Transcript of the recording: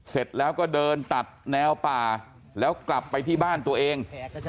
เสร็จแล้วก็เดินตัดแนวป่าแล้วกลับไปที่บ้านตัวเอง